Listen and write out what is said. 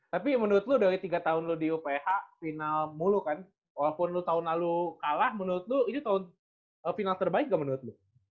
tapi menurut lu dari tiga tahun lu di uph final mulu kan walaupun lu tahun lalu kalah menurut lu itu tahun final terbaik nggak menurut lu